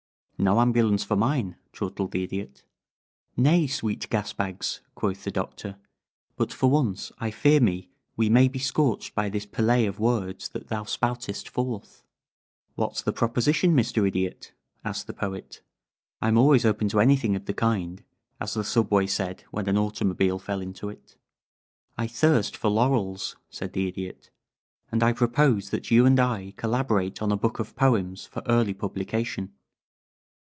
"No ambulance for mine," chortled the Idiot. "Nay, Sweet Gas bags," quoth the Doctor. "But for once I fear me we may be scorched by this Pelée of words that thou spoutest forth." "What's the proposition, Mr. Idiot?" asked the Poet. "I'm always open to anything of the kind, as the Subway said when an automobile fell into it.'" "I thirst for laurels," said the Idiot, "and I propose that you and I collaborate on a book of poems for early publication.